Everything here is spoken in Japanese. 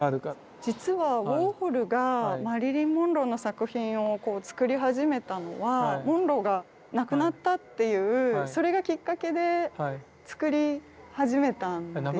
実はウォーホルがマリリン・モンローの作品を作り始めたのはモンローが亡くなったっていうそれがきっかけで作り始めたんです。